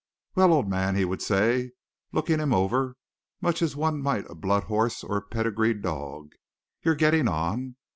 "Well, old man," he would say, looking him over much as one might a blood horse or a pedigree dog, "you're getting on.